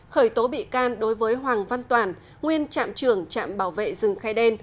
khởi tố bị can đối với hoàng văn toàn nguyên trạm trưởng trạm bảo vệ rừng khai đen